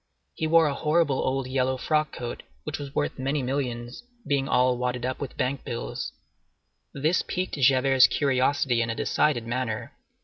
He wore a horrible old yellow frock coat, which was worth many millions, being all wadded with bank bills. This piqued Javert's curiosity in a decided manner.